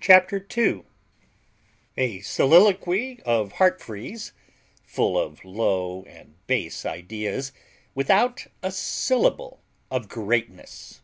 CHAPTER TWO A SOLILOQUY OF HEARTFREE'S, FULL OF LOW AND BASE IDEAS, WITHOUT A SYLLABLE OF GREATNESS.